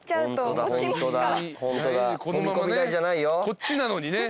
こっちなのにね。